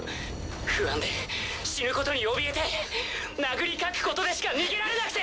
不安で死ぬことにおびえて殴り描くことでしか逃げられなくて！